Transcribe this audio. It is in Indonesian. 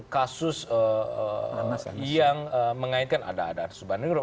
kasus yang mengaitkan ada ada arsuban europe